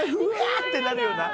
ってなるよな。